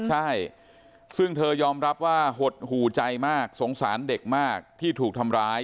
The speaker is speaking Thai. ใช่ซึ่งเธอยอมรับว่าหดหูใจมากสงสารเด็กมากที่ถูกทำร้าย